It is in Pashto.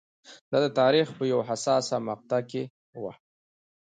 دا د تاریخ په یوه حساسه مقطعه کې و.